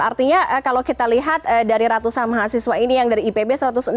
artinya kalau kita lihat dari ratusan mahasiswa ini yang dari ipb satu ratus enam puluh